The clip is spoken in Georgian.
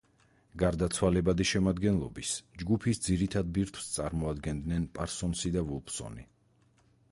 გარდა ცვალებადი შემადგენლობის, ჯგუფის ძირითად ბირთვს წარმოადგენდნენ პარსონსი და ვულფსონი.